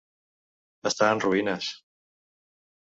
Està en ruïnes.